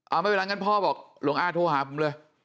เอาไม่เวลางั้นพ่อบอกหลวงอาโทรหาผมเลย